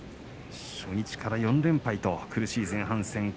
初日から４連敗と苦しい前半戦。